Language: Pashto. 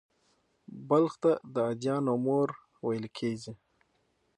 بلخ ته «د ادیانو مور» ویل کېږي